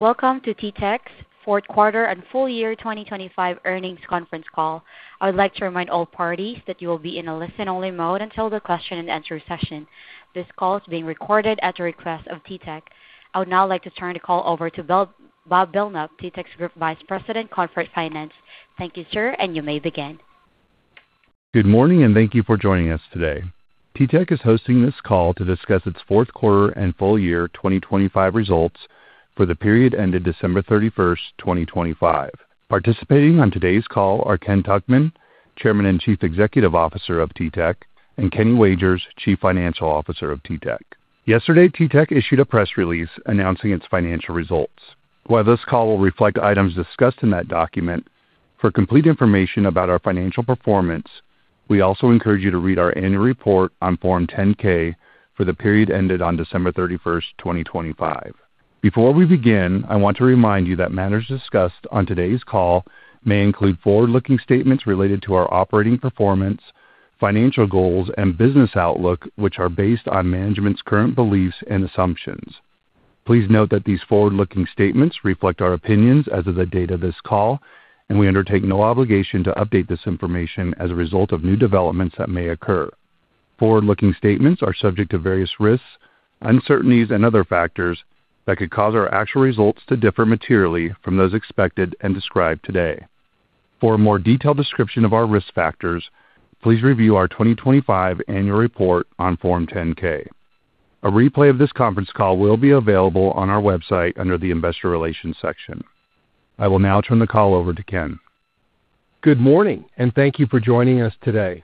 Welcome to TTEC's fourth quarter and full year 2025 earnings conference call. I would like to remind all parties that you will be in a listen-only mode until the question and answer session. This call is being recorded at the request of TTEC. I would now like to turn the call over to Bob Belknap, TTEC's Group Vice President, Corporate Finance. Thank you, sir. You may begin. Good morning. Thank you for joining us today. TTEC is hosting this call to discuss its fourth quarter and full year 2025 results for the period ended December 31st, 2025. Participating on today's call are Kenneth Tuchman, Chairman and Chief Executive Officer of TTEC, and Kenneth Wagers, Chief Financial Officer of TTEC. Yesterday, TTEC issued a press release announcing its financial results. While this call will reflect items discussed in that document, for complete information about our financial performance, we also encourage you to read our annual report on Form 10-K for the period ended on December 31st, 2025. Before we begin, I want to remind you that matters discussed on today's call may include forward-looking statements related to our operating performance, financial goals, and business outlook, which are based on management's current beliefs and assumptions. Please note that these forward-looking statements reflect our opinions as of the date of this call. We undertake no obligation to update this information as a result of new developments that may occur. Forward-looking statements are subject to various risks, uncertainties, and other factors that could cause our actual results to differ materially from those expected and described today. For a more detailed description of our risk factors, please review our 2025 annual report on Form 10-K. A replay of this conference call will be available on our website under the Investor Relations section. I will now turn the call over to Ken. Good morning, and thank you for joining us today.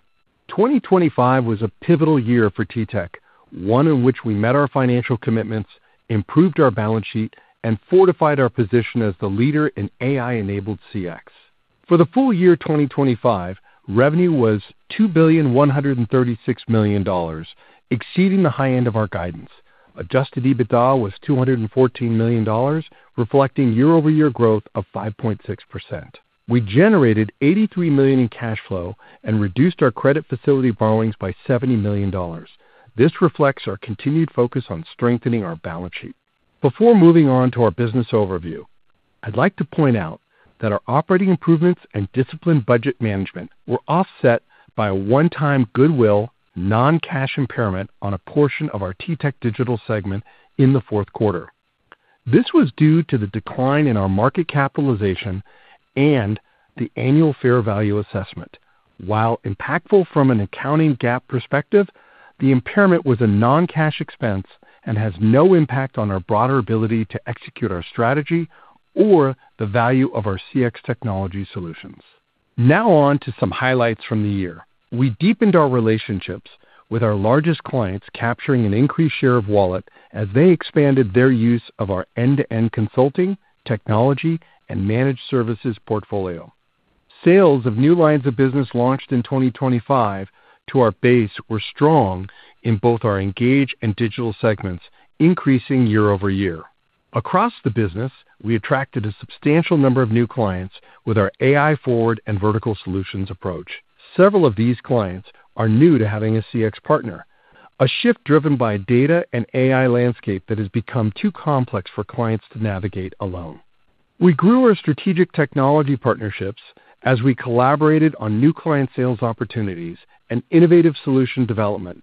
2025 was a pivotal year for TTEC, one in which we met our financial commitments, improved our balance sheet, and fortified our position as the leader in AI-enabled CX. For the full year 2025, revenue was $2.136 billion, exceeding the high end of our guidance. Adjusted EBITDA was $214 million, reflecting year-over-year growth of 5.6%. We generated $83 million in cash flow and reduced our credit facility borrowings by $70 million. This reflects our continued focus on strengthening our balance sheet. Before moving on to our business overview, I'd like to point out that our operating improvements and disciplined budget management were offset by a one-time goodwill, non-cash impairment on a portion of our TTEC Digital segment in the fourth quarter. This was due to the decline in our market capitalization and the annual fair value assessment. While impactful from an accounting GAAP perspective, the impairment was a non-cash expense and has no impact on our broader ability to execute our strategy or the value of our CX technology solutions. On to some highlights from the year. We deepened our relationships with our largest clients, capturing an increased share of wallet as they expanded their use of our end-to-end consulting, technology, and managed services portfolio. Sales of new lines of business launched in 2025 to our base were strong in both our Engage and Digital segments, increasing year-over-year. Across the business, we attracted a substantial number of new clients with our AI forward and vertical solutions approach. Several of these clients are new to having a CX partner, a shift driven by data and AI landscape that has become too complex for clients to navigate alone. We grew our strategic technology partnerships as we collaborated on new client sales opportunities and innovative solution development.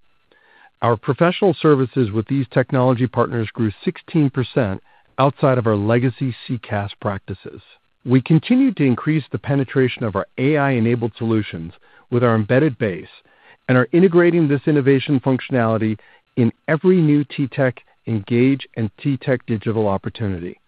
Our professional services with these technology partners grew 16% outside of our legacy CCaaS practices. We continued to increase the penetration of our AI-enabled solutions with our embedded base and are integrating this innovation functionality in every new TTEC Engage and TTEC Digital opportunity.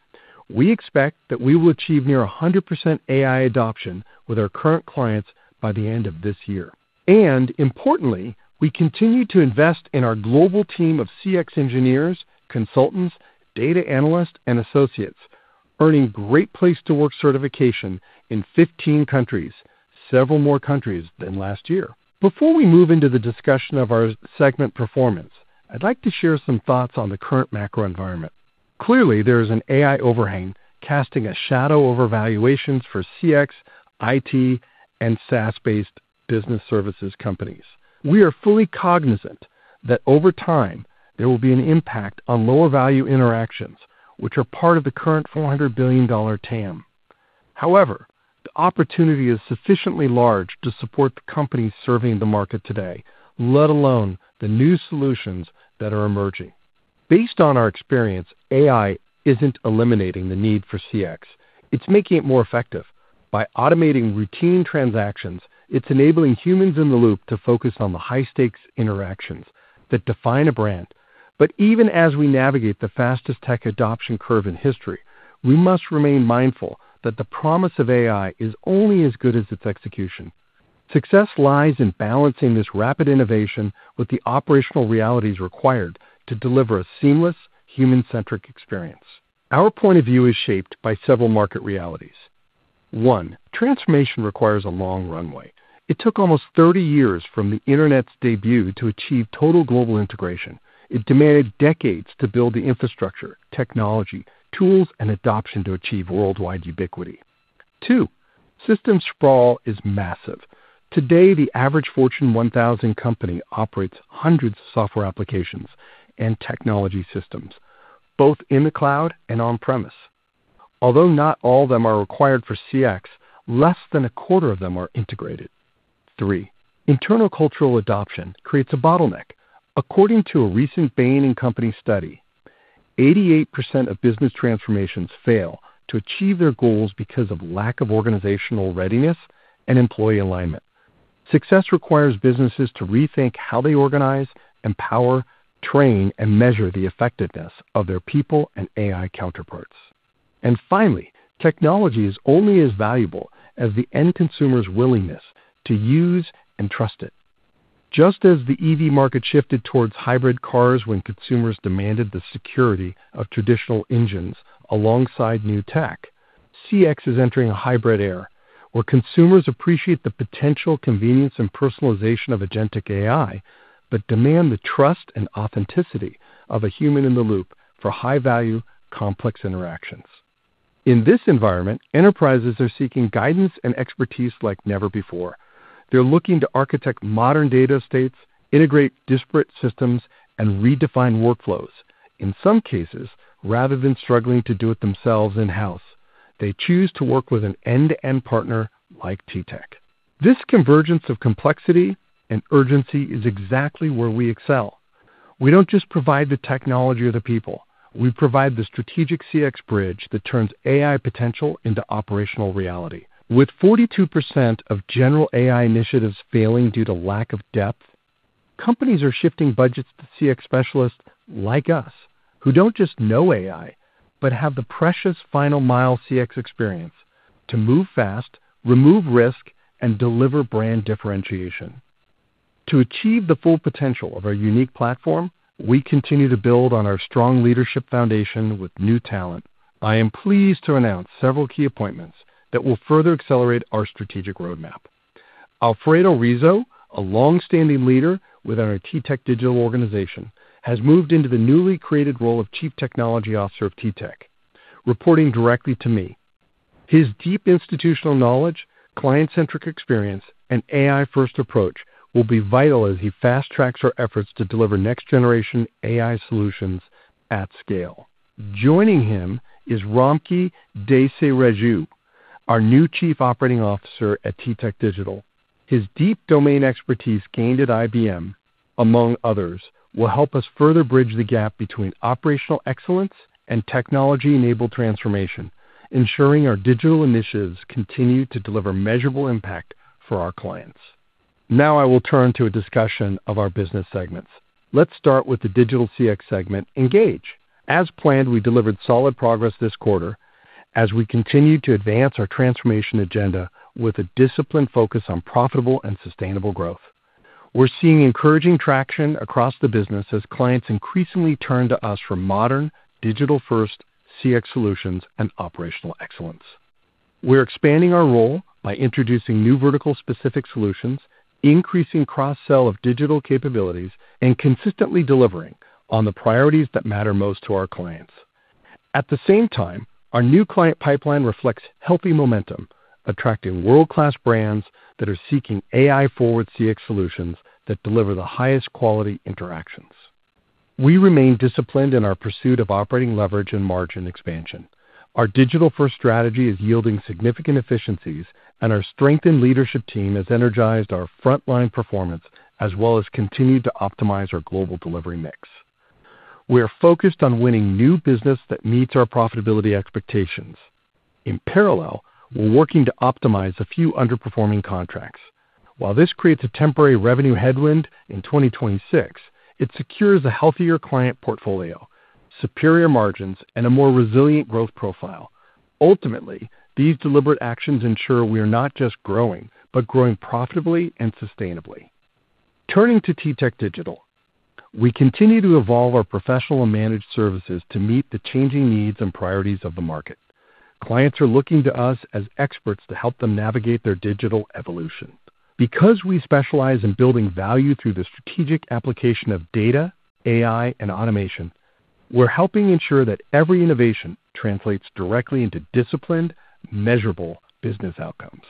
We expect that we will achieve near 100% AI adoption with our current clients by the end of this year. Importantly, we continue to invest in our global team of CX engineers, consultants, data analysts, and associates, earning Great Place to Work certification in 15 countries, several more countries than last year. Before we move into the discussion of our segment performance, I'd like to share some thoughts on the current macro environment. Clearly, there is an AI overhang casting a shadow over valuations for CX, IT, and SaaS-based business services companies. We are fully cognizant that over time, there will be an impact on lower-value interactions, which are part of the current $400 billion TAM. The opportunity is sufficiently large to support the companies serving the market today, let alone the new solutions that are emerging. Based on our experience, AI isn't eliminating the need for CX. It's making it more effective. By automating routine transactions, it's enabling humans in the loop to focus on the high-stakes interactions that define a brand. Even as we navigate the fastest tech adoption curve in history, we must remain mindful that the promise of AI is only as good as its execution. Success lies in balancing this rapid innovation with the operational realities required to deliver a seamless, human-centric experience. Our point of view is shaped by several market realities. One, transformation requires a long runway. It took almost 30 years from the internet's debut to achieve total global integration. It demanded decades to build the infrastructure, technology, tools, and adoption to achieve worldwide ubiquity. Two, system sprawl is massive. Today, the average Fortune 1000 company operates hundreds of software applications and technology systems, both in the cloud and on-premise. Although not all of them are required for CX, less than a quarter of them are integrated. Three, internal cultural adoption creates a bottleneck. According to a recent Bain & Company study, 88% of business transformations fail to achieve their goals because of lack of organizational readiness and employee alignment. Success requires businesses to rethink how they organize, empower, train, and measure the effectiveness of their people and AI counterparts. Finally, technology is only as valuable as the end consumer's willingness to use and trust it. Just as the EV market shifted towards hybrid cars when consumers demanded the security of traditional engines alongside new tech, CX is entering a hybrid era, where consumers appreciate the potential convenience and personalization of Agentic AI, but demand the trust and authenticity of a human in the loop for high-value, complex interactions. In this environment, enterprises are seeking guidance and expertise like never before. They're looking to architect modern data estates, integrate disparate systems, and redefine workflows. In some cases, rather than struggling to do it themselves in-house, they choose to work with an end-to-end partner like TTEC. This convergence of complexity and urgency is exactly where we excel. We don't just provide the technology or the people. We provide the strategic CX bridge that turns AI potential into operational reality. With 42% of generative AI initiatives failing due to lack of depth, companies are shifting budgets to CX specialists like us, who don't just know AI, but have the precious final mile CX experience to move fast, remove risk, and deliver brand differentiation. To achieve the full potential of our unique platform, we continue to build on our strong leadership foundation with new talent. I am pleased to announce several key appointments that will further accelerate our strategic roadmap. Alfredo Rizzo, a long-standing leader within our TTEC Digital organization, has moved into the newly created role of Chief Technology Officer, TTEC, reporting directly to me. His deep institutional knowledge, client-centric experience, and AI-first approach will be vital as he fast-tracks our efforts to deliver next-generation AI solutions at scale. Joining him is Ramki Desiraju, our new Chief Operations Officer, TTEC Digital. His deep domain expertise gained at IBM, among others, will help us further bridge the gap between operational excellence and technology-enabled transformation, ensuring our digital initiatives continue to deliver measurable impact for our clients. Now, I will turn to a discussion of our business segments. Let's start with the digital CX segment, Engage. As planned, we delivered solid progress this quarter as we continued to advance our transformation agenda with a disciplined focus on profitable and sustainable growth. We're seeing encouraging traction across the business as clients increasingly turn to us for modern, digital-first CX solutions and operational excellence. We're expanding our role by introducing new vertical-specific solutions, increasing cross-sell of digital capabilities, and consistently delivering on the priorities that matter most to our clients. At the same time, our new client pipeline reflects healthy momentum, attracting world-class brands that are seeking AI-forward CX solutions that deliver the highest quality interactions. We remain disciplined in our pursuit of operating leverage and margin expansion. Our digital-first strategy is yielding significant efficiencies, and our strengthened leadership team has energized our frontline performance, as well as continued to optimize our global delivery mix. We are focused on winning new business that meets our profitability expectations. In parallel, we're working to optimize a few underperforming contracts. While this creates a temporary revenue headwind in 2026, it secures a healthier client portfolio, superior margins, and a more resilient growth profile. Ultimately, these deliberate actions ensure we are not just growing, but growing profitably and sustainably. Turning to TTEC Digital, we continue to evolve our professional and managed services to meet the changing needs and priorities of the market. Clients are looking to us as experts to help them navigate their digital evolution. Because we specialize in building value through the strategic application of data, AI, and automation, we're helping ensure that every innovation translates directly into disciplined, measurable business outcomes.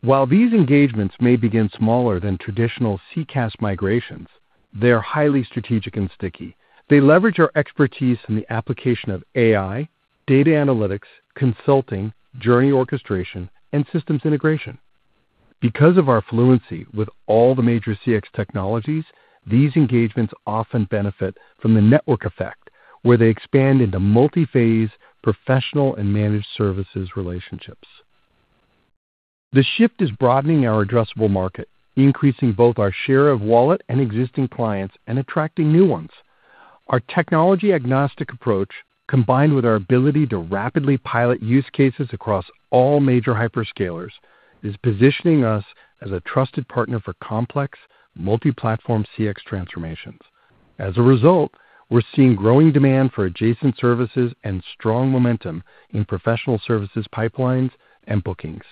While these engagements may begin smaller than traditional CCaaS migrations, they are highly strategic and sticky. They leverage our expertise in the application of AI, data analytics, consulting, journey orchestration, and systems integration. Of our fluency with all the major CX technologies, these engagements often benefit from the network effect, where they expand into multi-phase professional and managed services relationships. The shift is broadening our addressable market, increasing both our share of wallet and existing clients, and attracting new ones. Our technology-agnostic approach, combined with our ability to rapidly pilot use cases across all major hyperscalers, is positioning us as a trusted partner for complex, multi-platform CX transformations. A result, we're seeing growing demand for adjacent services and strong momentum in professional services pipelines and bookings.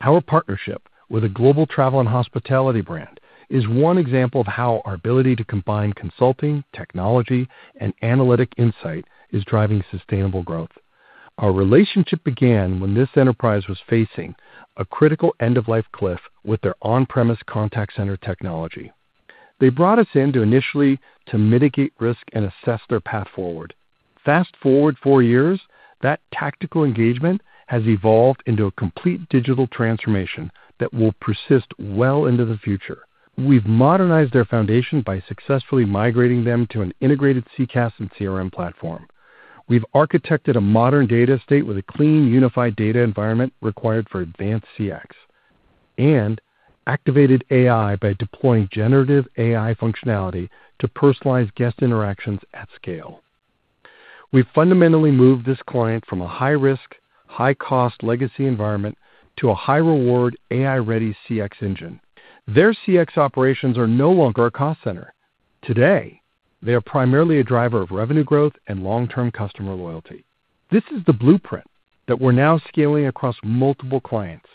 Our partnership with a global travel and hospitality brand is one example of how our ability to combine consulting, technology, and analytic insight is driving sustainable growth. Our relationship began when this enterprise was facing a critical end-of-life cliff with their on-premise contact center technology. They brought us in to initially to mitigate risk and assess their path forward. Fast forward four years, that tactical engagement has evolved into a complete digital transformation that will persist well into the future. We've modernized their foundation by successfully migrating them to an integrated CCaaS and CRM platform. We've architected a modern data estate with a clean, unified data environment required for advanced CX, and activated AI by deploying generative AI functionality to personalize guest interactions at scale. We've fundamentally moved this client from a high-risk, high-cost legacy environment to a high-reward, AI-ready CX engine. Their CX operations are no longer a cost center. Today, they are primarily a driver of revenue growth and long-term customer loyalty. This is the blueprint that we're now scaling across multiple clients.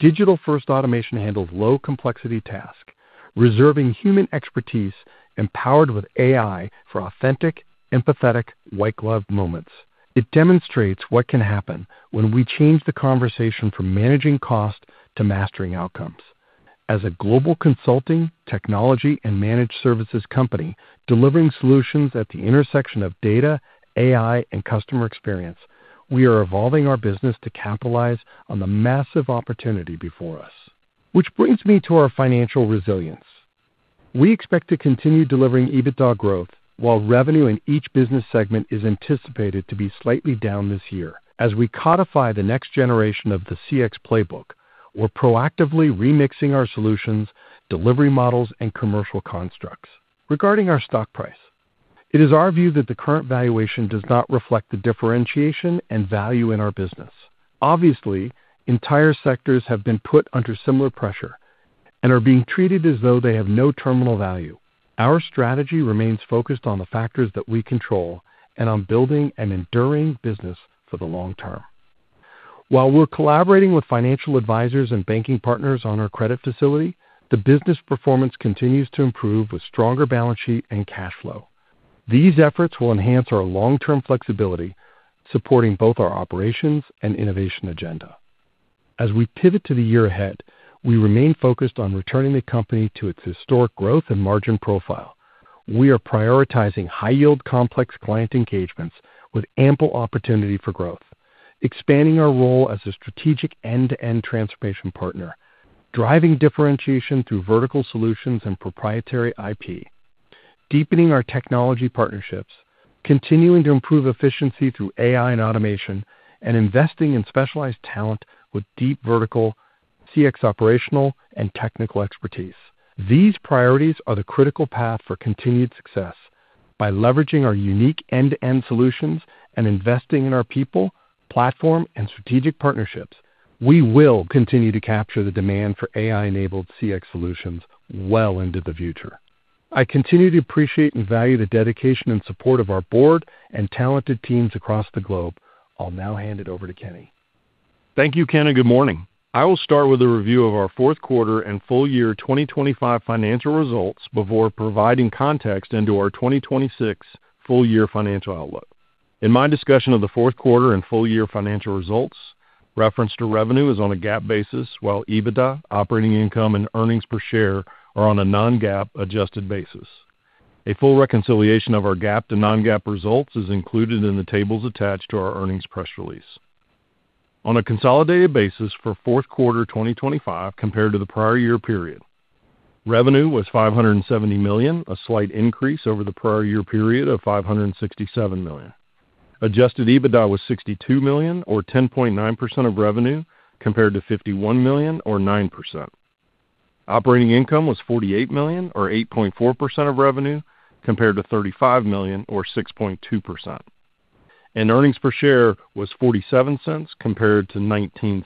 Digital-first automation handles low-complexity task, reserving human expertise, empowered with AI for authentic, empathetic, white-gloved moments. It demonstrates what can happen when we change the conversation from managing cost to mastering outcomes. As a global consulting, technology, and managed services company, delivering solutions at the intersection of data, AI, and customer experience, we are evolving our business to capitalize on the massive opportunity before us. Which brings me to our financial resilience. We expect to continue delivering EBITDA growth, while revenue in each business segment is anticipated to be slightly down this year. As we codify the next generation of the CX playbook, we're proactively remixing our solutions, delivery models, and commercial constructs. Regarding our stock price, it is our view that the current valuation does not reflect the differentiation and value in our business. Obviously, entire sectors have been put under similar pressure and are being treated as though they have no terminal value. Our strategy remains focused on the factors that we control and on building an enduring business for the long term. While we're collaborating with financial advisors and banking partners on our credit facility, the business performance continues to improve with stronger balance sheet and cash flow. These efforts will enhance our long-term flexibility, supporting both our operations and innovation agenda. As we pivot to the year ahead, we remain focused on returning the company to its historic growth and margin profile. We are prioritizing high-yield, complex client engagements with ample opportunity for growth, expanding our role as a strategic end-to-end transformation partner, driving differentiation through vertical solutions and proprietary IP, deepening our technology partnerships, continuing to improve efficiency through AI and automation, and investing in specialized talent with deep vertical CX operational and technical expertise. These priorities are the critical path for continued success. By leveraging our unique end-to-end solutions and investing in our people, platform, and strategic partnerships, we will continue to capture the demand for AI-enabled CX solutions well into the future. I continue to appreciate and value the dedication and support of our board and talented teams across the globe. I'll now hand it over to Kenny. Thank you, Ken. Good morning. I will start with a review of our fourth quarter and full year 2025 financial results before providing context into our 2026 full year financial outlook. In my discussion of the fourth quarter and full year financial results, reference to revenue is on a GAAP basis, while EBITDA, operating income, and earnings per share are on a non-GAAP adjusted basis. A full reconciliation of our GAAP to non-GAAP results is included in the tables attached to our earnings press release. On a consolidated basis for fourth quarter 2025 compared to the prior year period, revenue was $570 million, a slight increase over the prior year period of $567 million. Adjusted EBITDA was $62 million or 10.9% of revenue, compared to $51 million or 9%. Operating income was $48 million or 8.4% of revenue, compared to $35 million or 6.2%. Earnings per share was $0.47 compared to $0.19.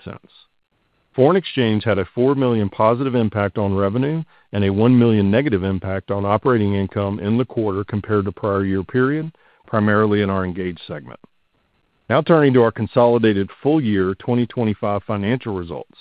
Foreign exchange had a $4 million positive impact on revenue and a $1 million negative impact on operating income in the quarter compared to prior year period, primarily in our Engage segment. Now turning to our consolidated full year 2025 financial results.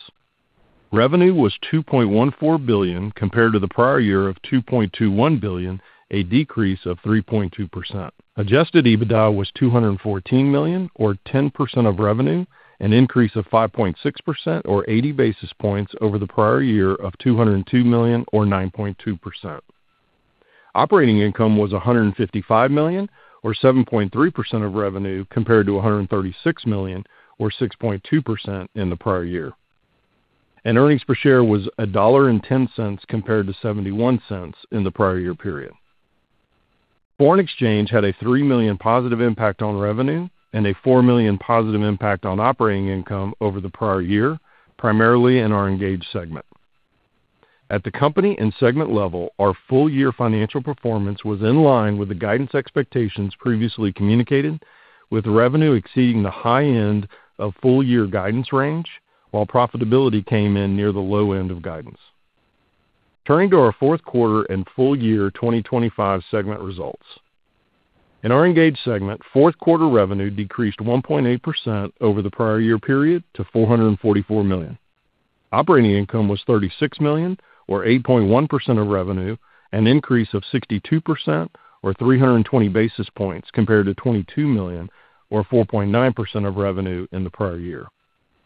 Revenue was $2.14 billion, compared to the prior year of $2.21 billion, a decrease of 3.2%. Adjusted EBITDA was $214 million or 10% of revenue, an increase of 5.6% or 80 basis points over the prior year of $202 million or 9.2%. Operating income was $155 million or 7.3% of revenue, compared to $136 million or 6.2% in the prior year. Earnings per share was $1.10 compared to $0.71 in the prior year period. Foreign exchange had a $3 million positive impact on revenue and a $4 million positive impact on operating income over the prior year, primarily in our Engage segment. At the company and segment level, our full year financial performance was in line with the guidance expectations previously communicated, with revenue exceeding the high end of full year guidance range, while profitability came in near the low end of guidance. Turning to our fourth quarter and full year 2025 segment results. In our Engage segment, fourth quarter revenue decreased 1.8% over the prior year period to $444 million. Operating income was $36 million, or 8.1% of revenue, an increase of 62% or 320 basis points compared to $22 million, or 4.9% of revenue in the prior year.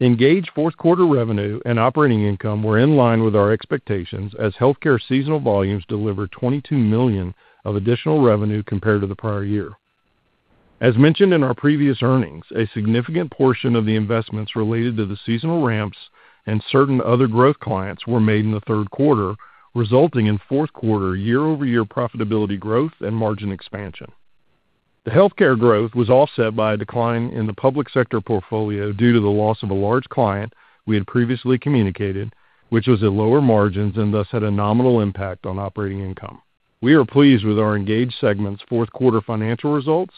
Engaged fourth quarter revenue and operating income were in line with our expectations as healthcare seasonal volumes delivered $22 million of additional revenue compared to the prior year. As mentioned in our previous earnings, a significant portion of the investments related to the seasonal ramps and certain other growth clients were made in the third quarter, resulting in fourth quarter year-over-year profitability growth and margin expansion. The healthcare growth was offset by a decline in the public sector portfolio due to the loss of a large client we had previously communicated, which was at lower margins and thus had a nominal impact on operating income. We are pleased with our Engage segment's fourth quarter financial results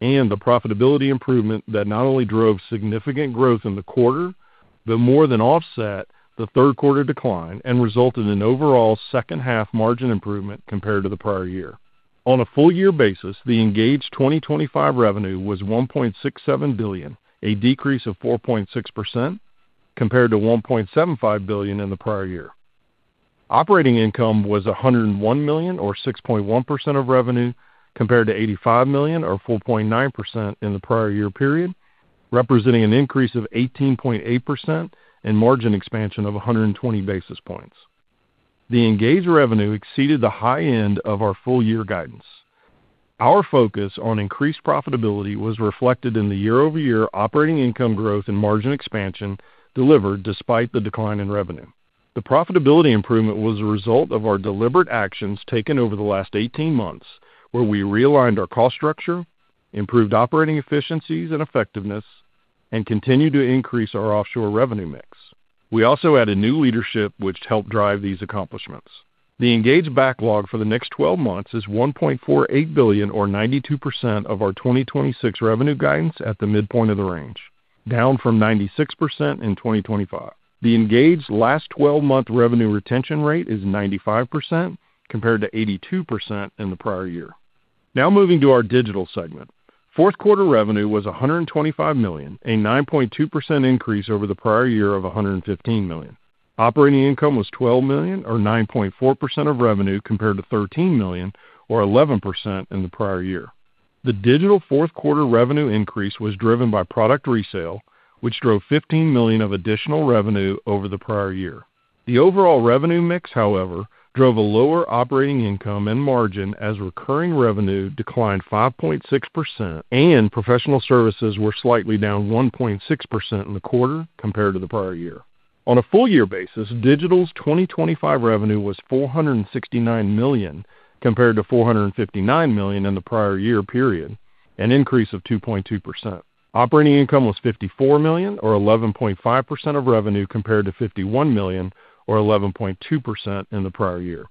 and the profitability improvement that not only drove significant growth in the quarter, but more than offset the third quarter decline and resulted in overall second half margin improvement compared to the prior year. On a full year basis, the Engage 2025 revenue was $1.67 billion, a decrease of 4.6% compared to $1.75 billion in the prior year. Operating income was $101 million, or 6.1% of revenue, compared to $85 million, or 4.9% in the prior year period, representing an increase of 18.8% and margin expansion of 120 basis points. The Engage revenue exceeded the high end of our full year guidance. Our focus on increased profitability was reflected in the year-over-year operating income growth and margin expansion delivered despite the decline in revenue. The profitability improvement was a result of our deliberate actions taken over the last 18 months, where we realigned our cost structure, improved operating efficiencies and effectiveness, and continued to increase our offshore revenue mix. We also added new leadership, which helped drive these accomplishments. The Engaged backlog for the next 12 months is $1.48 billion, or 92% of our 2026 revenue guidance at the midpoint of the range, down from 96% in 2025. The Engaged last 12-month revenue retention rate is 95%, compared to 82% in the prior year. Now moving to our Digital segment. Fourth quarter revenue was $125 million, a 9.2% increase over the prior year of $115 million. Operating income was $12 million, or 9.4% of revenue, compared to $13 million, or 11% in the prior year. The Digital fourth quarter revenue increase was driven by product resale, which drove $15 million of additional revenue over the prior year. The overall revenue mix, however, drove a lower operating income and margin as recurring revenue declined 5.6%, and professional services were slightly down 1.6% in the quarter compared to the prior year. On a full year basis, Digital's 2025 revenue was $469 million, compared to $459 million in the prior year period, an increase of 2.2%. Operating income was $54 million, or 11.5% of revenue, compared to $51 million, or 11.2% in the prior year.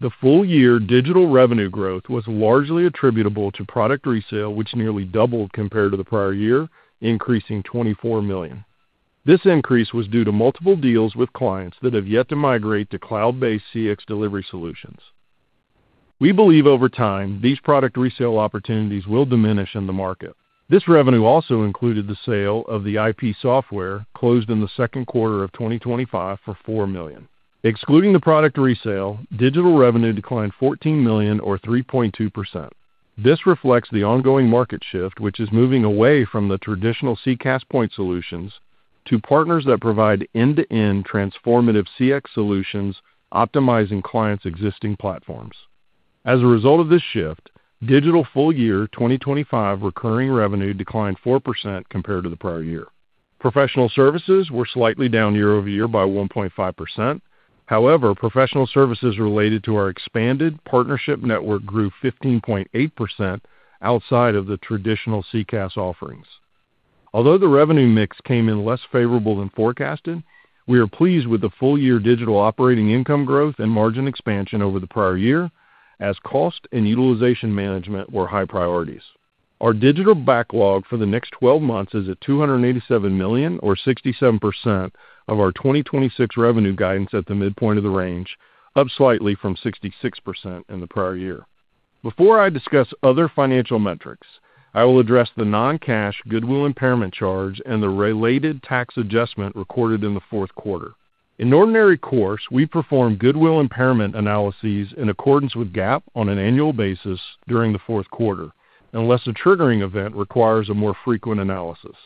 The full year digital revenue growth was largely attributable to product resale, which nearly doubled compared to the prior year, increasing $24 million. This increase was due to multiple deals with clients that have yet to migrate to cloud-based CX delivery solutions. We believe over time, these product resale opportunities will diminish in the market. This revenue also included the sale of the IP software, closed in the second quarter of 2025 for $4 million. Excluding the product resale, digital revenue declined $14 million or 3.2%. This reflects the ongoing market shift, which is moving away from the traditional CCaaS point solutions to partners that provide end-to-end transformative CX solutions, optimizing clients' existing platforms. As a result of this shift, digital full year 2025 recurring revenue declined 4% compared to the prior year. Professional services were slightly down year-over-year by 1.5%. However, professional services related to our expanded partnership network grew 15.8% outside of the traditional CCaaS offerings. Although the revenue mix came in less favorable than forecasted, we are pleased with the full year digital operating income growth and margin expansion over the prior year as cost and utilization management were high priorities. Our Digital backlog for the next 12 months is at $287 million or 67% of our 2026 revenue guidance at the midpoint of the range, up slightly from 66% in the prior year. Before I discuss other financial metrics, I will address the non-cash goodwill impairment charge and the related tax adjustment recorded in the fourth quarter. In ordinary course, we perform goodwill impairment analyses in accordance with GAAP on an annual basis during the fourth quarter, unless a triggering event requires a more frequent analysis.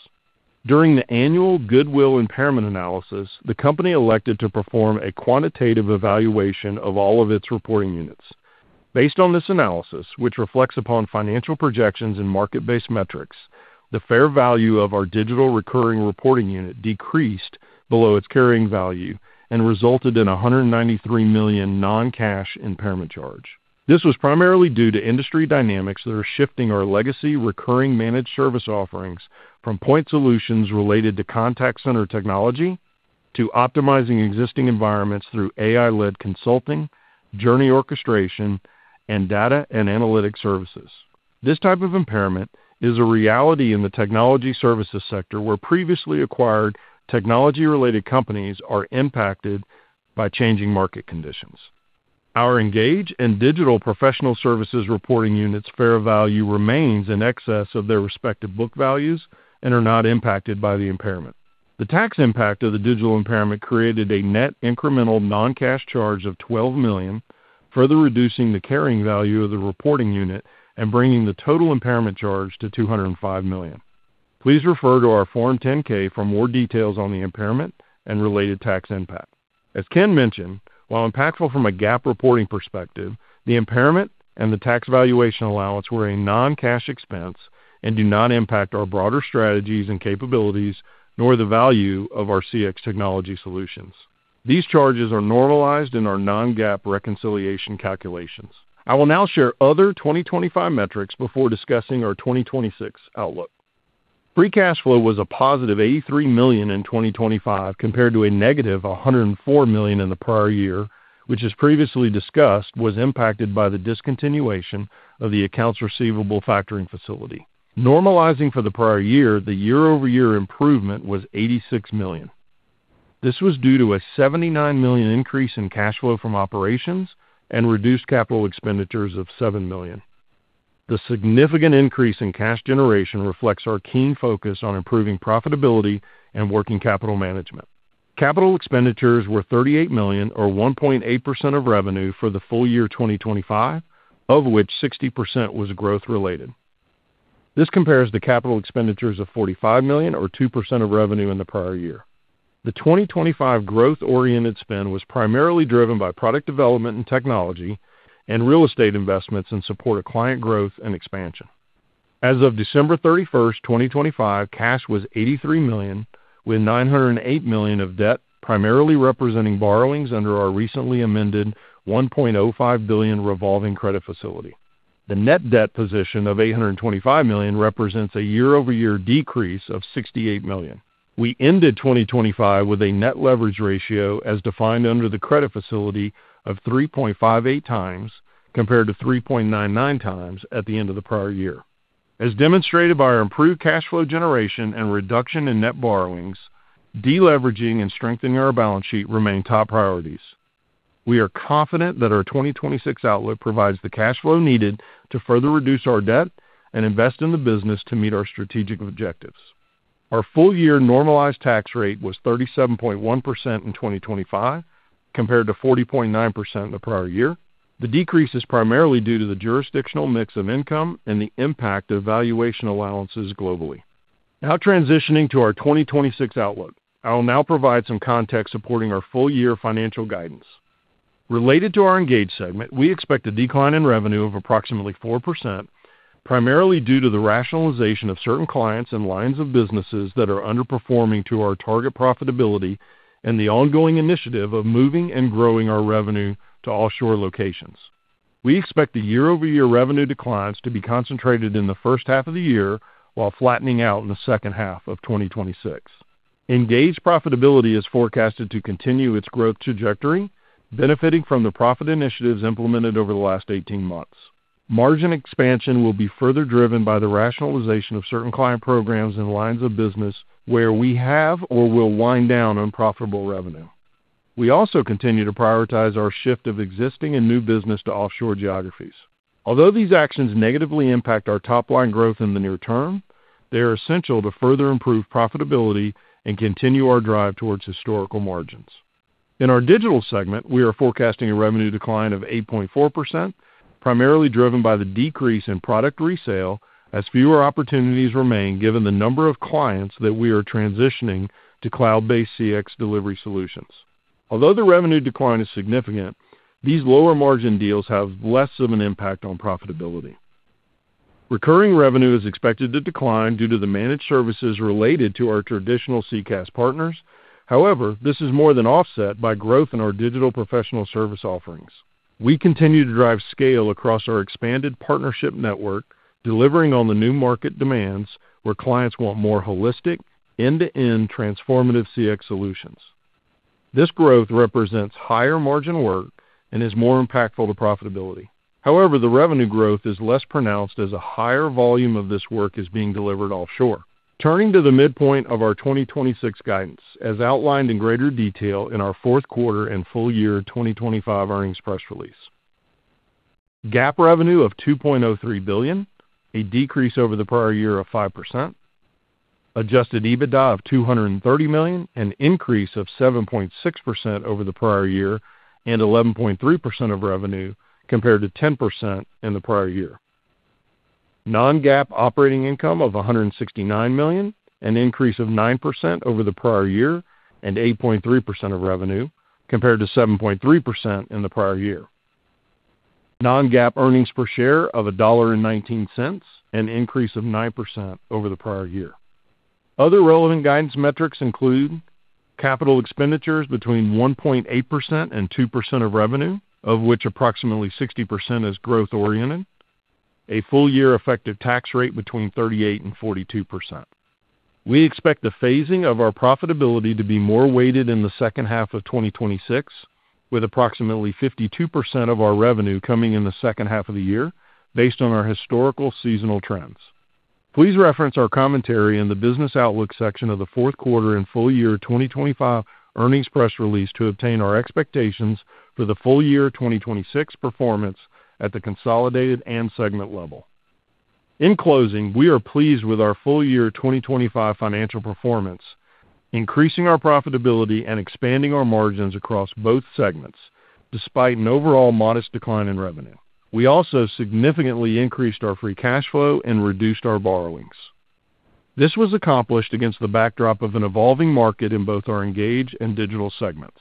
During the annual goodwill impairment analysis, the company elected to perform a quantitative evaluation of all of its reporting units. Based on this analysis, which reflects upon financial projections and market-based metrics, the fair value of our digital recurring reporting unit decreased below its carrying value and resulted in a $193 million non-cash impairment charge. This was primarily due to industry dynamics that are shifting our legacy recurring managed service offerings from point solutions related to contact center technology, to optimizing existing environments through AI-led consulting, journey orchestration and data and analytic services. Our Engage and Digital Professional Services reporting units' fair value remains in excess of their respective book values and are not impacted by the impairment. The tax impact of the digital impairment created a net incremental non-cash charge of $12 million, further reducing the carrying value of the reporting unit and bringing the total impairment charge to $205 million. Please refer to our Form 10-K for more details on the impairment and related tax impact. As Ken mentioned, while impactful from a GAAP reporting perspective, the impairment and the tax valuation allowance were a non-cash expense and do not impact our broader strategies and capabilities, nor the value of our CX technology solutions. These charges are normalized in our non-GAAP reconciliation calculations. I will now share other 2025 metrics before discussing our 2026 outlook. Free cash flow was a positive $83 million in 2025, compared to a negative $104 million in the prior year, which, as previously discussed, was impacted by the discontinuation of the accounts receivable factoring facility. Normalizing for the prior year, the year-over-year improvement was $86 million. This was due to a $79 million increase in cash flow from operations and reduced capital expenditures of $7 million. The significant increase in cash generation reflects our keen focus on improving profitability and working capital management. Capital expenditures were $38 million, or 1.8% of revenue, for the full year 2025, of which 60% was growth-related. This compares to capital expenditures of $45 million, or 2% of revenue, in the prior year. The 2025 growth-oriented spend was primarily driven by product development and technology and real estate investments in support of client growth and expansion. As of December 31, 2025, cash was $83 million, with $908 million of debt, primarily representing borrowings under our recently amended $1.05 billion revolving credit facility. The net debt position of $825 million represents a year-over-year decrease of $68 million. We ended 2025 with a net leverage ratio, as defined under the credit facility, of 3.58x, compared to 3.99x at the end of the prior year. As demonstrated by our improved cash flow generation and reduction in net borrowings, deleveraging and strengthening our balance sheet remain top priorities. We are confident that our 2026 outlook provides the cash flow needed to further reduce our debt and invest in the business to meet our strategic objectives. Our full-year normalized tax rate was 37.1% in 2025, compared to 40.9% in the prior year. The decrease is primarily due to the jurisdictional mix of income and the impact of valuation allowances globally. Transitioning to our 2026 outlook, I will now provide some context supporting our full-year financial guidance. Related to our Engage segment, we expect a decline in revenue of approximately 4%, primarily due to the rationalization of certain clients and lines of businesses that are underperforming to our target profitability and the ongoing initiative of moving and growing our revenue to offshore locations. We expect the year-over-year revenue declines to be concentrated in the first half of the year, while flattening out in the second half of 2026. Engage profitability is forecasted to continue its growth trajectory, benefiting from the profit initiatives implemented over the last 18 months. Margin expansion will be further driven by the rationalization of certain client programs and lines of business where we have or will wind down unprofitable revenue. We also continue to prioritize our shift of existing and new business to offshore geographies. Although these actions negatively impact our top-line growth in the near term, they are essential to further improve profitability and continue our drive towards historical margins. In our Digital segment, we are forecasting a revenue decline of 8.4%, primarily driven by the decrease in product resale, as fewer opportunities remain given the number of clients that we are transitioning to cloud-based CX delivery solutions. Although the revenue decline is significant, these lower-margin deals have less of an impact on profitability. Recurring revenue is expected to decline due to the managed services related to our traditional CCaaS partners. This is more than offset by growth in our digital professional service offerings. We continue to drive scale across our expanded partnership network, delivering on the new market demands where clients want more holistic, end-to-end transformative CX solutions. This growth represents higher-margin work and is more impactful to profitability. The revenue growth is less pronounced as a higher volume of this work is being delivered offshore. Turning to the midpoint of our 2026 guidance, as outlined in greater detail in our fourth quarter and full year 2025 earnings press release. GAAP revenue of $2.03 billion, a decrease over the prior year of 5%. Adjusted EBITDA of $230 million, an increase of 7.6% over the prior year and 11.3% of revenue, compared to 10% in the prior year. Non-GAAP operating income of $169 million, an increase of 9% over the prior year and 8.3% of revenue, compared to 7.3% in the prior year. Non-GAAP earnings per share of $1.19, an increase of 9% over the prior year. Other relevant guidance metrics include CapEx between 1.8% and 2% of revenue, of which approximately 60% is growth-oriented a full year effective tax rate between 38% and 42%. We expect the phasing of our profitability to be more weighted in the second half of 2026, with approximately 52% of our revenue coming in the second half of the year, based on our historical seasonal trends. Please reference our commentary in the business outlook section of the fourth quarter and full year 2025 earnings press release to obtain our expectations for the full year 2026 performance at the consolidated and segment level. In closing, we are pleased with our full year 2025 financial performance, increasing our profitability and expanding our margins across both segments, despite an overall modest decline in revenue. We also significantly increased our free cash flow and reduced our borrowings. This was accomplished against the backdrop of an evolving market in both our Engage and Digital segments.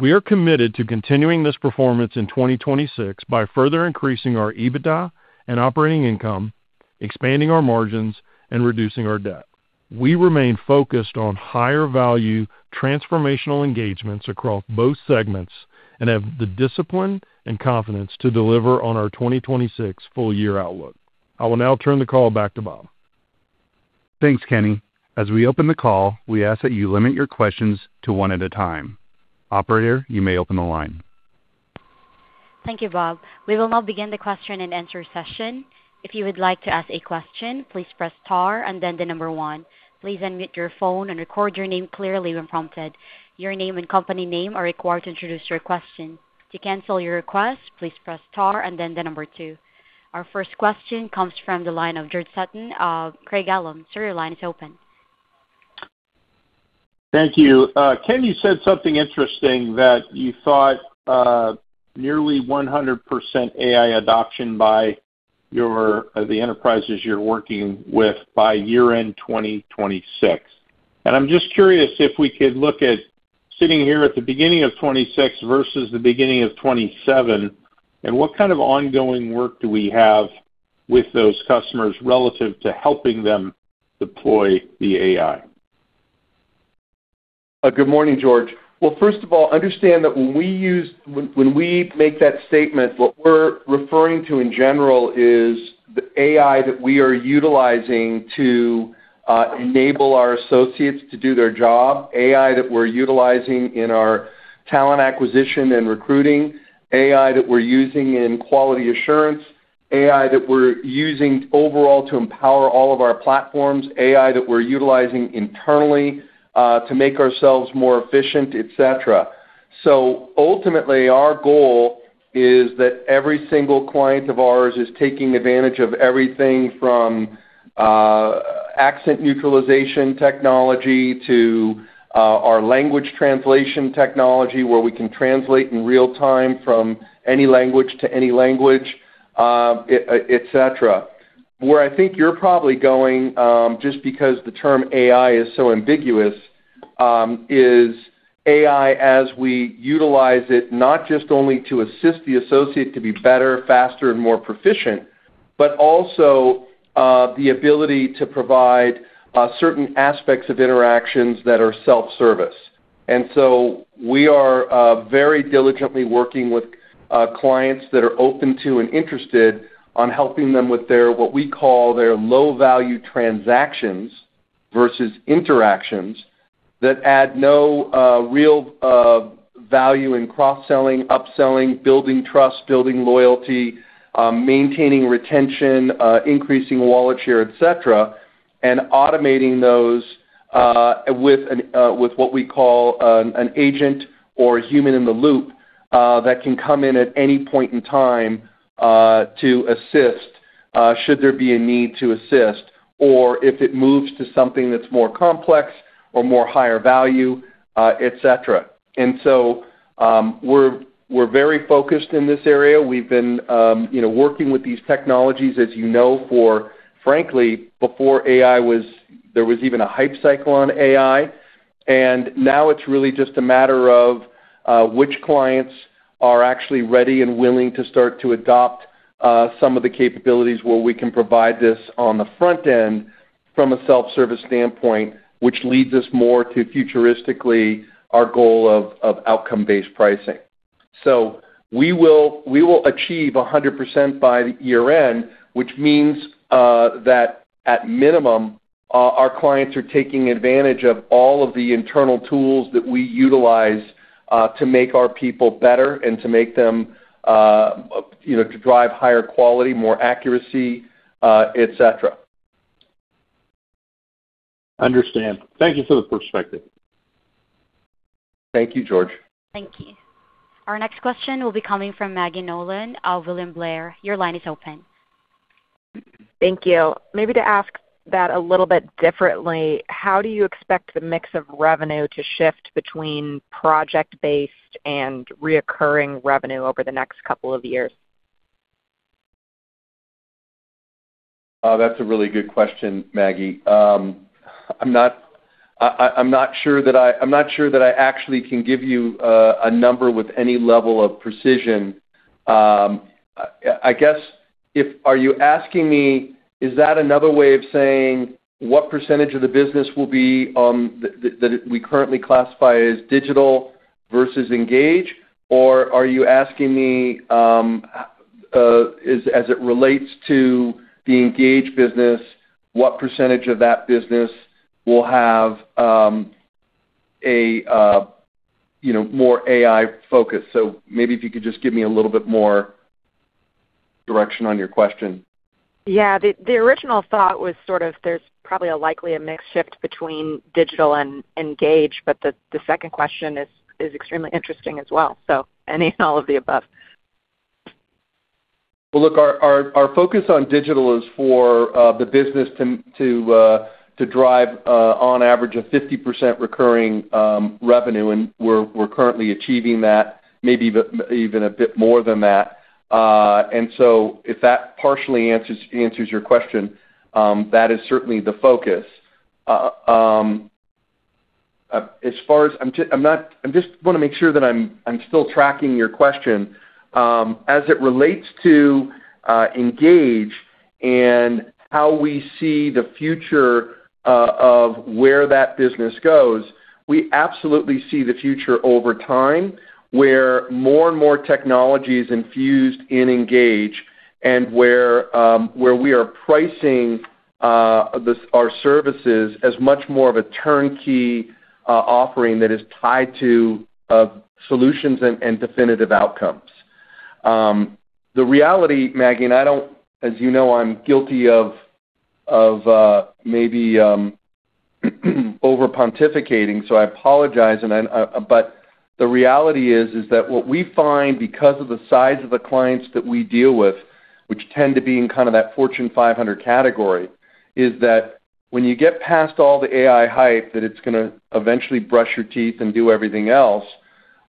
We are committed to continuing this performance in 2026 by further increasing our EBITDA and operating income, expanding our margins and reducing our debt. We remain focused on higher value transformational engagements across both segments and have the discipline and confidence to deliver on our 2026 full year outlook. I will now turn the call back to Bob. Thanks, Kenny. As we open the call, we ask that you limit your questions to one at a time. Operator, you may open the line. Thank you, Bob. We will now begin the question and answer session. If you would like to ask a question, please press star and then the number one. Please unmute your phone and record your name clearly when prompted. Your name and company name are required to introduce your question. To cancel your request, please press star and then the number two. Our first question comes from the line of George Sutton of Craig-Hallum. Sir, your line is open. Thank you. Kenny, you said something interesting that you thought nearly 100% AI adoption by your the enterprises you're working with by year-end 2026. I'm just curious if we could look at sitting here at the beginning of 2026 versus the beginning of 2027, and what kind of ongoing work do we have with those customers relative to helping them deploy the AI? Good morning, George. Well, first of all, understand that when we make that statement, what we're referring to in general is the AI that we are utilizing to enable our associates to do their job, AI that we're utilizing in our talent acquisition and recruiting, AI that we're using in quality assurance, AI that we're using overall to empower all of our platforms, AI that we're utilizing internally to make ourselves more efficient, etcetera. Ultimately, our goal is that every single client of ours is taking advantage of everything from accent neutralization technology to our language translation technology, where we can translate in real time from any language to any language, etcetera. Where I think you're probably going, just because the term AI is so ambiguous, is AI as we utilize it, not just only to assist the associate to be better, faster, and more proficient, but also the ability to provide certain aspects of interactions that are self-service. We are very diligently working with clients that are open to and interested on helping them with their, what we call, their low-value transactions versus interactions that add no real value in cross-selling, upselling, building trust, building loyalty, maintaining retention, increasing wallet share, etcetera, and automating those with what we call an agent or a human in the loop that can come in at any point in time to assist should there be a need to assist, or if it moves to something that's more complex or more higher value, etcetera. We're very focused in this area. We've been, you know, working with these technologies, as you know, for frankly, before AI there was even a hype cycle on AI. Now it's really just a matter of which clients are actually ready and willing to start to adopt some of the capabilities where we can provide this on the front end from a self-service standpoint, which leads us more to futuristically our goal of outcome-based pricing. We will, we will achieve 100% by the year end, which means that at minimum, our clients are taking advantage of all of the internal tools that we utilize to make our people better and to make them, you know, to drive higher quality, more accuracy, etcetera. Understand. Thank you for the perspective. Thank you, George. Thank you. Our next question will be coming from Maggie Nolan of William Blair. Your line is open. Thank you. Maybe to ask that a little bit differently, how do you expect the mix of revenue to shift between project-based and reoccurring revenue over the next couple of years? That's a really good question, Maggie. I'm not sure that I actually can give you a number with any level of precision. Are you asking me, is that another way of saying what % of the business will be that we currently classify as Digital versus Engage, or are you asking me, as it relates to the Engage business, what % of that business will have, you know, more AI focus? Maybe if you could just give me a little bit more direction on your question. Yeah. The original thought was sort of there's probably a likely a mix shift between Digital and Engage, but the second question is extremely interesting as well. Any and all of the above. Well, look, our focus on digital is for the business to drive on average, a 50% recurring revenue, and we're currently achieving that, maybe even a bit more than that. If that partially answers your question, that is certainly the focus. As far as I just wanna make sure that I'm still tracking your question. As it relates to Engage and how we see the future of where that business goes, we absolutely see the future over time, where more and more technology is infused in Engage and where we are pricing the our services as much more of a turnkey offering that is tied to solutions and definitive outcomes. The reality, Maggie, and I don't... As you know, I'm guilty of, maybe over pontificating, so I apologize, and I, but the reality is that what we find, because of the size of the clients that we deal with, which tend to be in kind of that Fortune 500 category, is that when you get past all the AI hype, that it's gonna eventually brush your teeth and do everything else,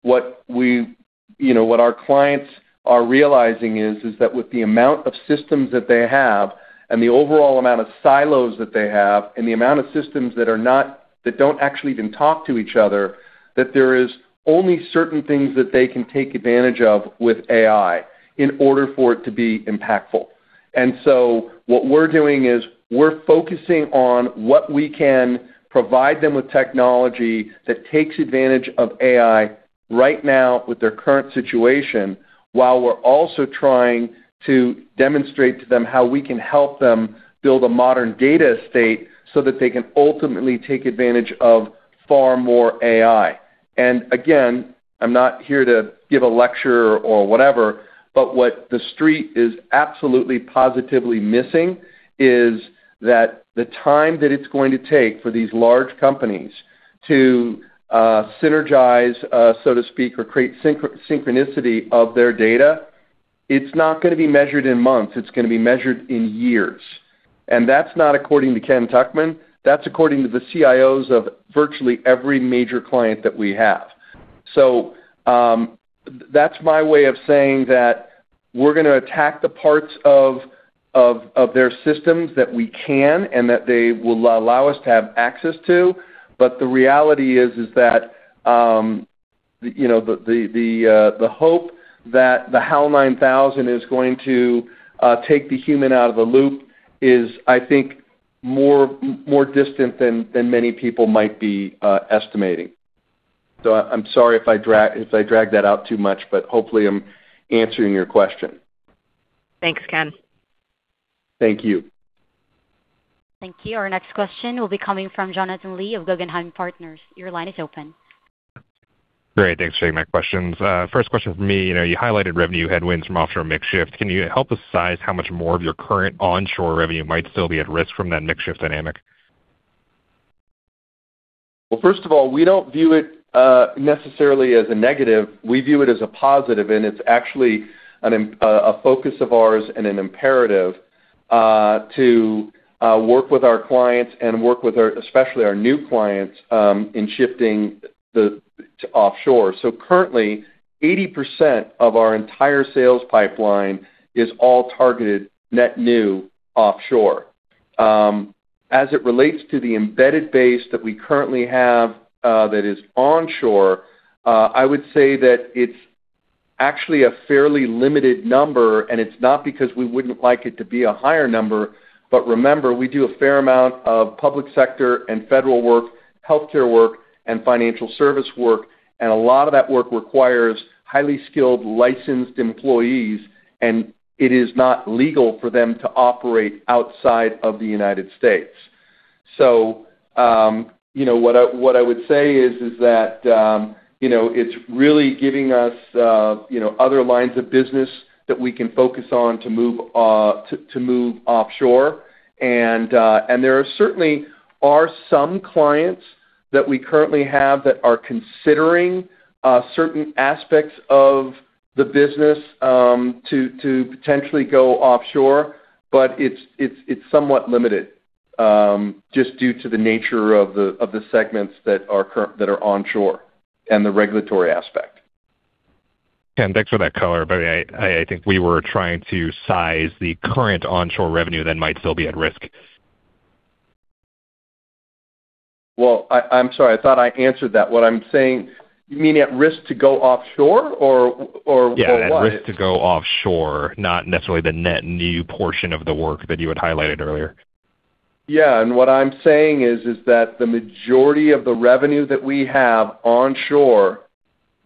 what we, you know, what our clients are realizing is that with the amount of systems that they have and the overall amount of silos that they have and the amount of systems that don't actually even talk to each other, that there is only certain things that they can take advantage of with AI in order for it to be impactful. What we're doing is we're focusing on what we can provide them with technology that takes advantage of AI right now with their current situation, while we're also trying to demonstrate to them how we can help them build a modern data estate so that they can ultimately take advantage of far more AI. Again, I'm not here to give a lecture or whatever, but what the street is absolutely, positively missing is that the time that it's going to take for these large companies to synergize, so to speak, or create synchronicity of their data, it's not gonna be measured in months, it's gonna be measured in years. That's not according to Ken Tuchman, that's according to the CIOs of virtually every major client that we have. That's my way of saying that we're gonna attack the parts of, of their systems that we can and that they will allow us to have access to. The reality is that, you know, the hope that the HAL 9000 is going to take the human out of the loop is, I think, more, more distant than many people might be estimating. I'm sorry if I dragged that out too much, but hopefully I'm answering your question. Thanks, Ken. Thank you. Thank you. Our next question will be coming from Jonathan Lee of Guggenheim Partners. Your line is open. Great. Thanks for taking my questions. First question from me, you know, you highlighted revenue headwinds from offshore mix shift. Can you help us size how much more of your current onshore revenue might still be at risk from that mix shift dynamic? First of all, we don't view it necessarily as a negative. We view it as a positive, and it's actually a focus of ours and an imperative to work with our clients and work with our, especially our new clients, in shifting to offshore. Currently, 80% of our entire sales pipeline is all targeted net new offshore. As it relates to the embedded base that we currently have, that is onshore, I would say that it's actually a fairly limited number, and it's not because we wouldn't like it to be a higher number, but remember, we do a fair amount of public sector and federal work, healthcare work, and financial service work, and a lot of that work requires highly skilled, licensed employees, and it is not legal for them to operate outside of the United States. You know, what I would say is that, you know, it's really giving us, you know, other lines of business that we can focus on to move, to move offshore. There are certainly are some clients that we currently have that are considering, certain aspects of the business, to potentially go offshore, but it's, it's somewhat limited, just due to the nature of the, of the segments that are that are onshore and the regulatory aspect. Ken, thanks for that color, I think we were trying to size the current onshore revenue that might still be at risk. Well, I'm sorry. I thought I answered that. What I'm saying... You mean at risk to go offshore or what? Yeah, at risk to go offshore, not necessarily the net new portion of the work that you had highlighted earlier. Yeah, what I'm saying is that the majority of the revenue that we have onshore,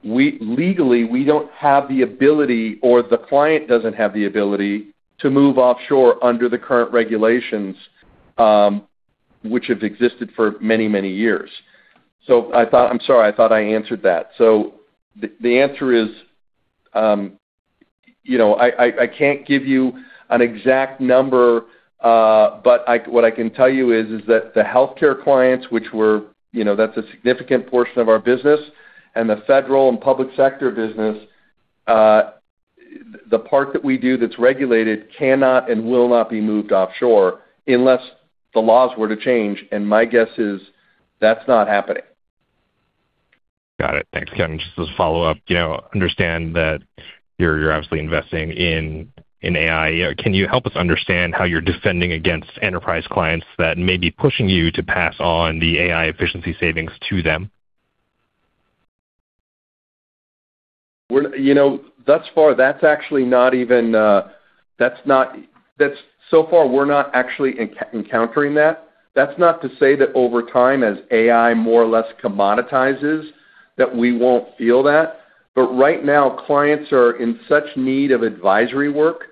we legally don't have the ability or the client doesn't have the ability to move offshore under the current regulations which have existed for many, many years. I'm sorry, I thought I answered that. The answer is, you know, I can't give you an exact number, but what I can tell you is that the healthcare clients, which were, you know, that's a significant portion of our business and the federal and public sector business, the part that we do that's regulated cannot and will not be moved offshore unless the laws were to change, and my guess is that's not happening. Got it. Thanks, Ken. Just as a follow-up, you know, understand that you're obviously investing in AI. Can you help us understand how you're defending against enterprise clients that may be pushing you to pass on the AI efficiency savings to them? We're, you know, thus far, that's actually not even, that's, so far, we're not actually encountering that. That's not to say that over time, as AI more or less commoditizes, that we won't feel that. Right now, clients are in such need of advisory work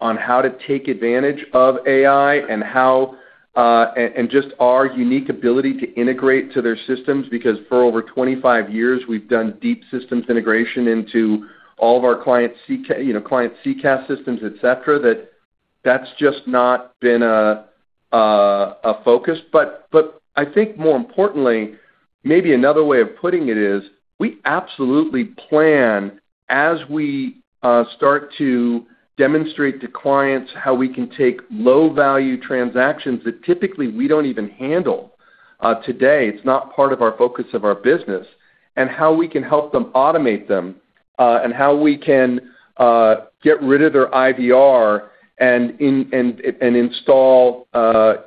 on how to take advantage of AI and how, and just our unique ability to integrate to their systems, because for over 25 years, we've done deep systems integration into all of our client's CCaaS systems, etcetera, that that's just not been a focus. I think more importantly, maybe another way of putting it is, we absolutely plan, as we start to demonstrate to clients how we can take low-value transactions that typically we don't even handle today, it's not part of our focus of our business, and how we can help them automate them, and how we can get rid of their IVR and install,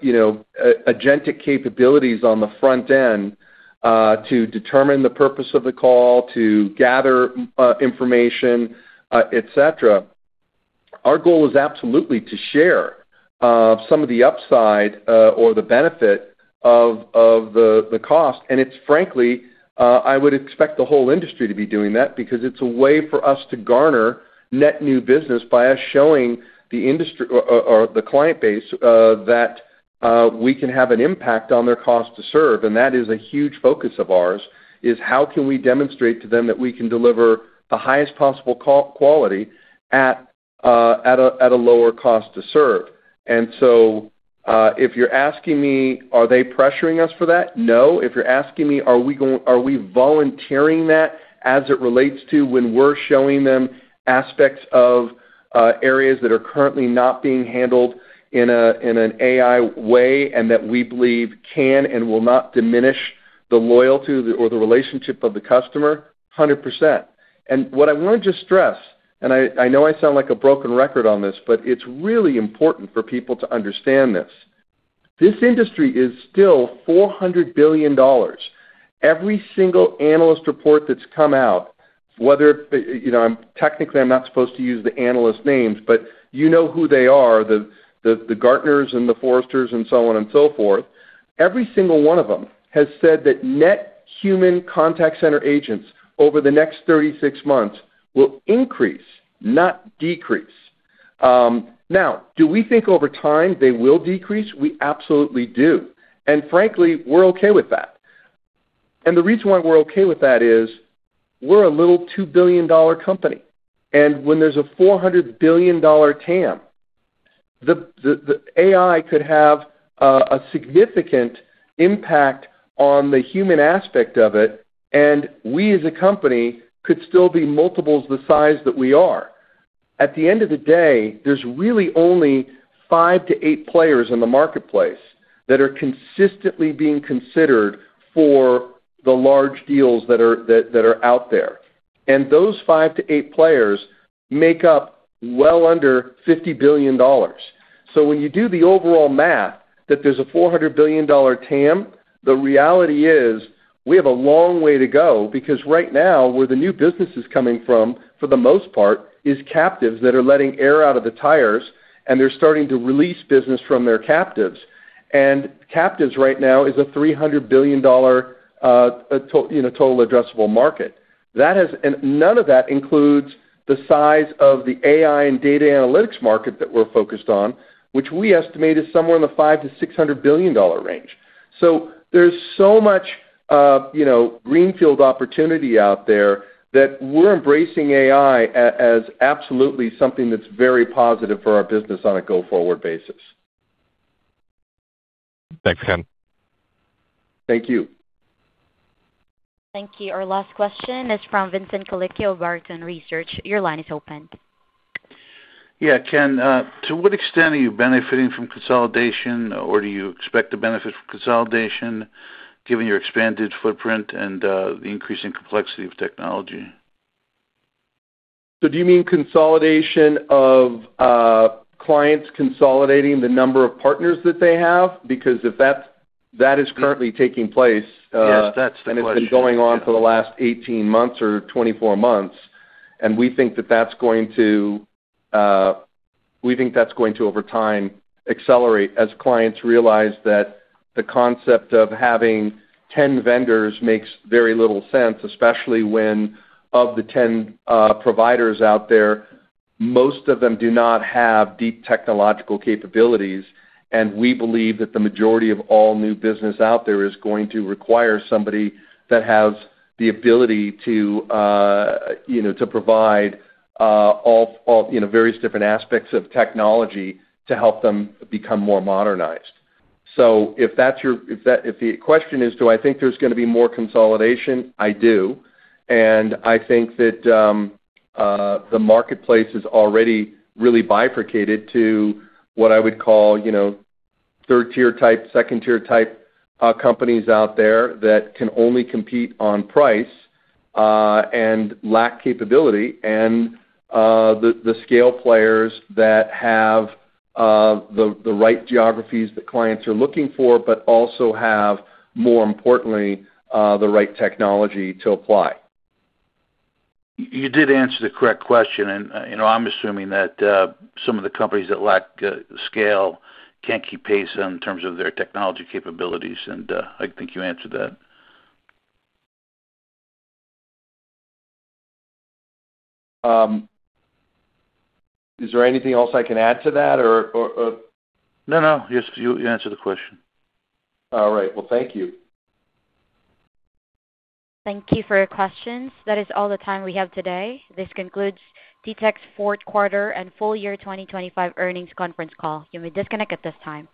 you know, Agentic capabilities on the front end to determine the purpose of the call, to gather information, etcetera. Our goal is absolutely to share, some of the upside, or the benefit of the cost, and it's frankly, I would expect the whole industry to be doing that because it's a way for us to garner net new business by us showing the industry or the client base, that, we can have an impact on their cost to serve. That is a huge focus of ours, is how can we demonstrate to them that we can deliver the highest possible quality at a, at a lower cost to serve? If you're asking me, are they pressuring us for that? No. If you're asking me, are we volunteering that as it relates to when we're showing them aspects of areas that are currently not being handled in an AI way, and that we believe can and will not diminish the loyalty or the relationship of the customer? 100%. What I want to just stress, I know I sound like a broken record on this, but it's really important for people to understand this: This industry is still $400 billion. Every single analyst report that's come out, whether it, you know, I'm technically I'm not supposed to use the analyst names, but you know who they are, the Gartner and the Forrester and so on and so forth. Every single one of them has said that net human contact center agents over the next 36 months will increase, not decrease. Now, do we think over time they will decrease? We absolutely do. Frankly, we're okay with that. The reason why we're okay with that is, we're a little $2 billion company, when there's a $400 billion TAM, the AI could have a significant impact on the human aspect of it, we, as a company, could still be multiples the size that we are. At the end of the day, there's really only five to eight players in the marketplace that are consistently being considered for the large deals that are out there. Those five to eight players make up well under $50 billion. When you do the overall math, that there's a $400 billion TAM, the reality is, we have a long way to go, because right now, where the new business is coming from, for the most part, is captives that are letting air out of the tires, and they're starting to release business from their captives. Captives right now is a $300 billion in a total addressable market. None of that includes the size of the AI and data analytics market that we're focused on, which we estimate is somewhere in the $500 billion-$600 billion range. There's so much, you know, greenfield opportunity out there, that we're embracing AI as absolutely something that's very positive for our business on a go-forward basis. Thanks, Ken. Thank you. Thank you. Our last question is from Vincent Colicchio of Barrington Research. Your line is open. Yeah, Ken, to what extent are you benefiting from consolidation, or do you expect to benefit from consolidation, given your expanded footprint and, the increasing complexity of technology? Do you mean consolidation of clients consolidating the number of partners that they have? That is currently taking place. Yes, that's the question. It's been going on for the last 18 months or 24 months, and we think that that's going to, over time, accelerate as clients realize that the concept of having 10 vendors makes very little sense, especially when, of the 10 providers out there, most of them do not have deep technological capabilities. We believe that the majority of all new business out there is going to require somebody that has the ability to, you know, to provide, all, you know, various different aspects of technology to help them become more modernized. If that, if the question is, do I think there's gonna be more consolidation? I do. I think that, the marketplace is already really bifurcated to what I would call, you know, third-tier type, second-tier type, companies out there that can only compete on price, and lack capability, and, the scale players that have, the right geographies that clients are looking for, but also have, more importantly, the right technology to apply. You did answer the correct question, and, you know, I'm assuming that some of the companies that lack scale can't keep pace in terms of their technology capabilities, and, I think you answered that. Is there anything else I can add to that or? No, no, you answered the question. All right. Well, thank you. Thank you for your questions. That is all the time we have today. This concludes TTEC's fourth quarter and full year 2025 earnings conference call. You may disconnect at this time.